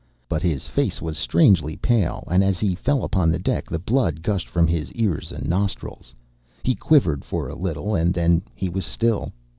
But his face was strangely pale, and as he fell upon the deck the blood gushed from his ears and nostrils. He quivered for a little, and then he was still.